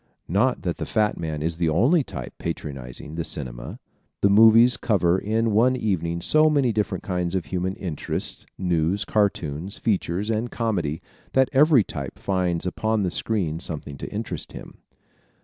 Not that the fat man is the only type patronizing the cinema. The movies cover in one evening so many different kinds of human interests news, cartoons, features and comedy that every type finds upon the screen something to interest him.